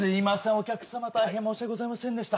お客様大変申し訳ございませんでした